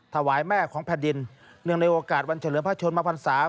ถวายแม่ของแผ่นดินเนื่องในโอกาสวันเฉลิมพระชนมพันศา